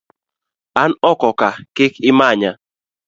An oko ka kik imanya.